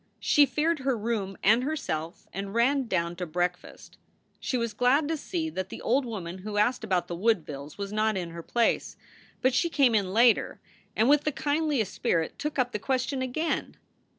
She feared her room and her self, and ran down to breakfast. She was glad to see that the old woman who asked about the Woodvilles was not in her place. But she came in later, and with the kindliest spirit took up the question again.